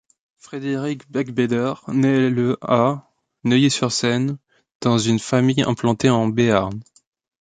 Frédéric Beigbeder naît le à Neuilly-sur-Seine, dans une famille implantée en Béarn.